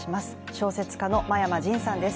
小説家の真山仁さんです。